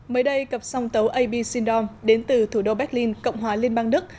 mới đây cặp song tấu a b sindom đến từ thủ đô berlin cộng hòa liên bang đức